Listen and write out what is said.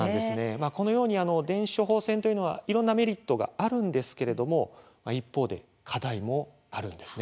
このように電子処方箋というのはいろんなメリットがあるんですけれども一方で課題もあるんですね。